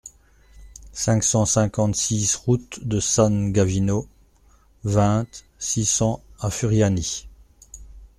cinq cent cinquante-six route de San Gavino, vingt, six cents à Furiani